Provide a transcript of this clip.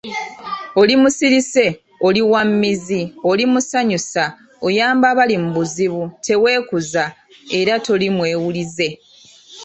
Oli musirise, oli wa mmizzi, oli musanyusa, oyamba abali mu buzibu, teweekuza era toli mwewulize.